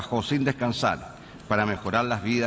ขอบคุณครับ